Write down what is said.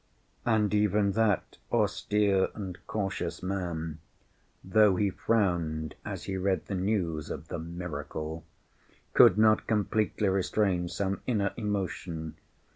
And even that austere and cautious man, though he frowned as he read the news of the "miracle," could not completely restrain some inner emotion.